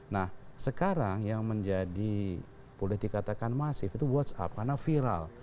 nah sekarang yang menjadi boleh dikatakan masif itu whatsapp karena viral